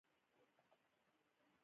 دې څېړنې یوې مهمې پوښتنې ته ځواب ویلی دی.